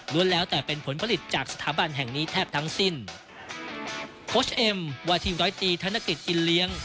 แล้วแต่เป็นผลผลิตจากสถาบันแห่งนี้แทบทั้งสิ้นโค้ชเอ็มวาทีร้อยตีธนกฤษอินเลี้ยง